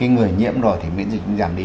người nhiễm rồi thì miễn dịch cũng giảm đi